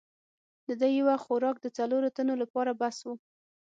د ده یو وخت خوراک د څلورو تنو لپاره بس وو.